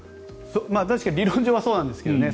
確かに理論上はそうなんですけどね。